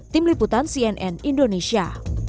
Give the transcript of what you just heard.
tim liputan cnn indonesia